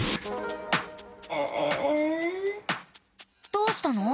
どうしたの？